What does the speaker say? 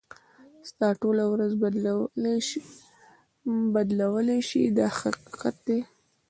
ستا ټوله ورځ بدلولای شي دا حقیقت دی.